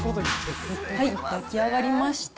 焼き上がりました。